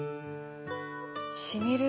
しみる。